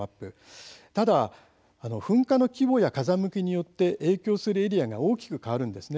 ただ噴火の規模や風向きによって影響するエリアが大きく変わるんです。